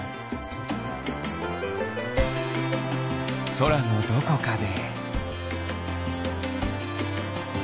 そらのどこかで。